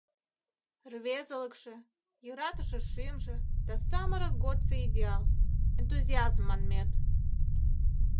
Рвезылыкше, йӧратыше шӱмжӧ да самырык годсо идеал, энтузиазм манмет.